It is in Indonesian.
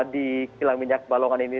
di kilang minyak balongan ini